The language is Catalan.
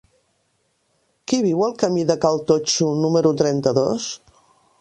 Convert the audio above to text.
Qui viu al camí de Cal Totxo número trenta-dos?